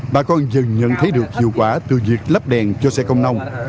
bà con dần nhận thấy được hiệu quả từ việc lắp đèn cho xe công nông